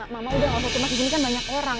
mama udah gak usah cemas disini kan banyak orang